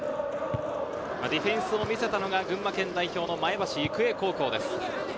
ディフェンスを見せたのが群馬県代表の前橋育英高校です。